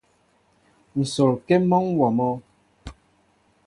Nsol ŋkém mɔnwóó mɔ.